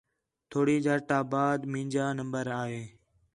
تھوڑی جھٹ آ بعد مینجا نمبر آ ہے